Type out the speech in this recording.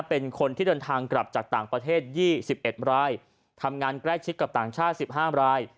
เป็นคนที่เดินทางกลับจากต่างประเทศ๒๑รายทำงานใกล้ชิดกับต่างชาติ๑๕ราย